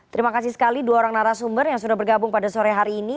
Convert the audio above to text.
terima kasih sekali dua orang narasumber yang sudah bergabung pada sore hari ini